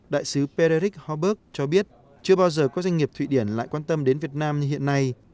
đại sứ pererich hochberg cho biết chưa bao giờ có doanh nghiệp thụy điển lại quan tâm đến việt nam như hiện nay